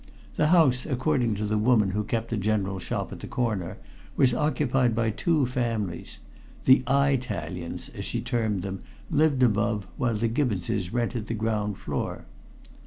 The house, according to the woman who kept a general shop at the corner, was occupied by two families. The "Eye talians," as she termed them, lived above, while the Gibbonses rented the ground floor.